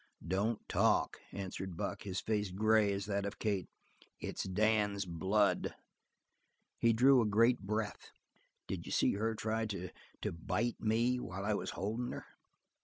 "Don't talk," answered Buck, his face gray as that of Kate. "It's Dan's blood." He drew a great breath. "Did you see her try to to bite me while I was holdin' her?"